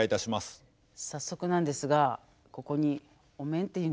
早速なんですがここにお面っていうんですかこの。